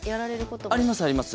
ありますあります。